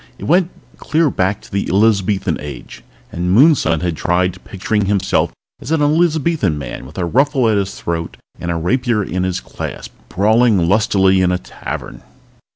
It went clear back to the Elizabethan Age, and Moonson had tried picturing himself as an Elizabethan man with a ruffle at his throat and a rapier in his clasp, brawling lustily in a tavern.